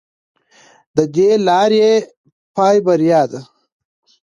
د دې لارې پای بریا ده.